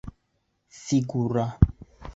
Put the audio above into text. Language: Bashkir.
Фигура!